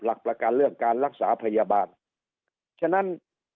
หลักประกันเรื่องการรักษาพยาบาลฉะนั้น